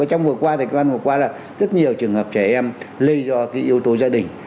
trong vừa qua thầy quang vừa qua là rất nhiều trường hợp trẻ em lây do cái yếu tố gia đình